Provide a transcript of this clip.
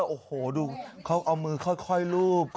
โอ้โหดูเขาเอามือค่อยรูป